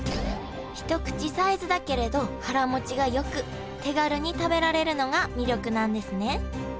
一口サイズだけれど腹もちがよく手軽に食べられるのが魅力なんですね